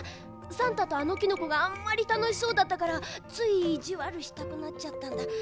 さんたとあのキノコがあんまりたのしそうだったからついいじわるしたくなっちゃったんだ。